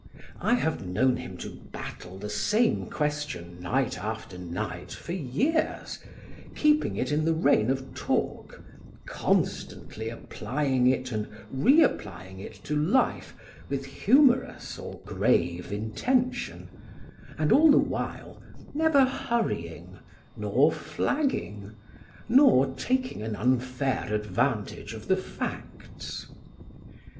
I have known him to battle the same question night after night for years, keeping it in the reign of talk, constantly applying it and re applying it to life with humorous or grave intention, and all the while, never hurrying, nor flagging, nor taking an unfair advantage of the facts.